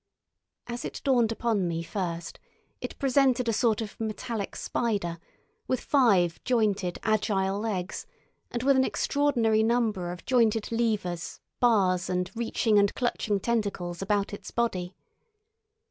As it dawned upon me first, it presented a sort of metallic spider with five jointed, agile legs, and with an extraordinary number of jointed levers, bars, and reaching and clutching tentacles about its body.